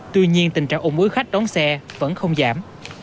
tuy nhiên tình trạng ủng ứ khách đón xe vẫn không giảm